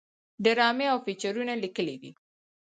ډرامې او فيچرونه ليکلي دي